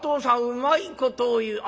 うまいことを言う。